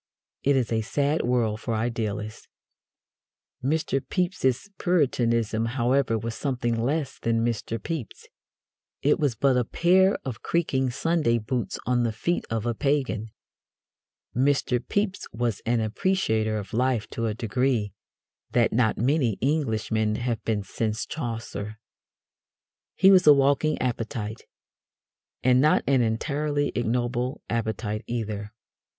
It is a sad world for idealists. Mr. Pepys's Puritanism, however, was something less than Mr. Pepys. It was but a pair of creaking Sunday boots on the feet of a pagan. Mr. Pepys was an appreciator of life to a degree that not many Englishmen have been since Chaucer. He was a walking appetite. And not an entirely ignoble appetite either.